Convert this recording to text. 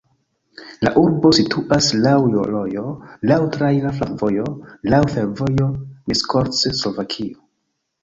La urbo situas laŭ rojo, laŭ traira flankovojo, laŭ fervojo Miskolc-Slovakio.